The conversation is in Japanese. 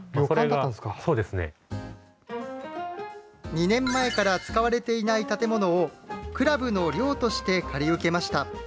２年前から使われていない建物を、クラブの寮として借り受けました。